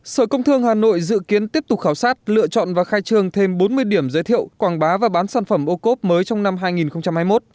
sở công thương hà nội dự kiến tiếp tục khảo sát lựa chọn và khai trương thêm bốn mươi điểm giới thiệu quảng bá và bán sản phẩm ô cốp mới trong năm hai nghìn hai mươi một